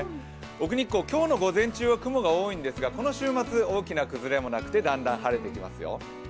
奥日光、今日の午前中は雲が多いんですが、この週末、大きな崩れもなくてだんだん晴れてきますよ。